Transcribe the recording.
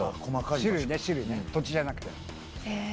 種類ね土地じゃなくて。